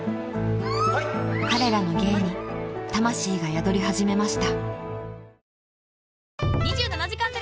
［彼らの芸に魂が宿り始めました］